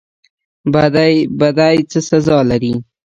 بدی څه سزا لري؟